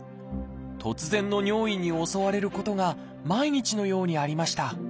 突然の尿意に襲われることが毎日のようにありました。